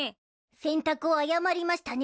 選択を誤りましたね